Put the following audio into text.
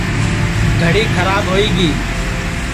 گھڑی کھراب ہوئی گی